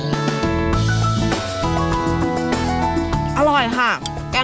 อร่อยค่ะ